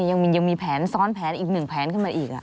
ยังมีแผนซ้อนแผนอีกหนึ่งแผนขึ้นมาอีก